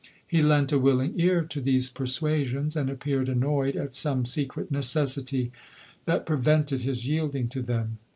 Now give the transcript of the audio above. He lent a willing car to these persuasions, and appeared annoyed at some secret necessity that prevented his yielding to them.